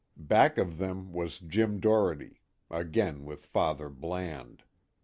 Back of them was Jim Doherty, again with Father Bland.